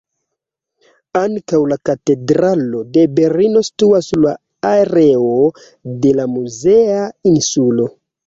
Ankaŭ la Katedralo de Berlino situas sur la areo de la muzea insulo.